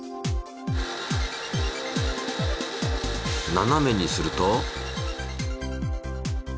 ななめにすると？